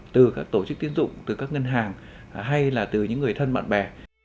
từ các tổ chức tiến dụng từ các ngân hàng hay là từ những người thân bạn bè